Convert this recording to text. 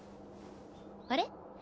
あれ？